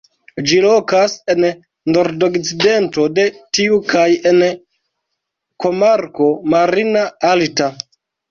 Ĝi lokas en nordokcidento de tiu kaj en komarko "Marina Alta".